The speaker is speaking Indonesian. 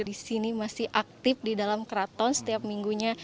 di sini masih aktif di dalam keraton setiap minggunya